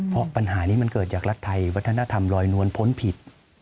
เพราะปัญหานี้มันเกิดจากรัฐไทยวัฒนธรรมลอยนวลพ้นผิด